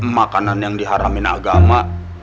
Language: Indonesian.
makanan yang diharamin agama